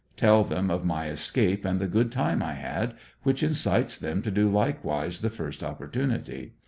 Tell them of my escape and the good time I had, which incites them to do likewise the first opportunity.